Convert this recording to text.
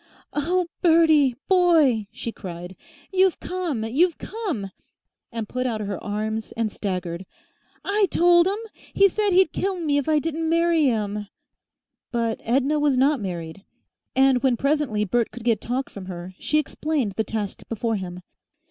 "Oh! Bertie, boy!" she cried. "You've come you've come!" and put out her arms and staggered. "I told 'im. He said he'd kill me if I didn't marry him." But Edna was not married, and when presently Bert could get talk from her, she explained the task before him.